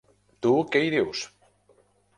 Tu què hi dius?